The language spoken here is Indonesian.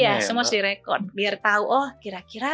iya semua harus direkon biar tahu oh kira kira